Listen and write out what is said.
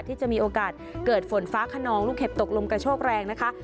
ที่จะมีโอกาสเกิดฝนฟ้าขนองลูกเห็บตกลมกระโชกแรงนะคะ